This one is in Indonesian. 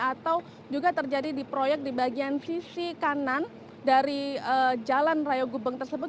atau juga terjadi di proyek di bagian sisi kanan dari jalan raya gubeng tersebut